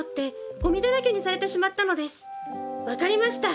分かりました。